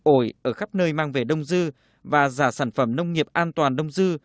ổi ở khắp nơi mang về đông dư và giả sản phẩm nông nghiệp an toàn đông dư